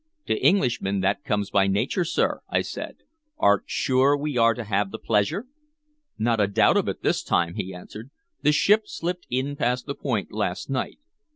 "To Englishmen, that comes by nature, sir," I said. "Art sure we are to have the pleasure?" "Not a doubt of it this time," he answered. "The ship slipped in past the Point last night.